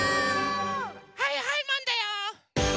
はいはいマンだよ！